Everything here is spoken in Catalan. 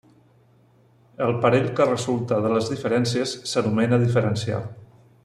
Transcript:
El parell que resulta de les diferències s'anomena diferencial.